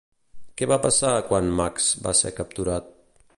Què va passar quan Max va ser capturat?